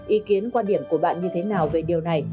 ý kiến quan điểm của bạn như thế nào về điều này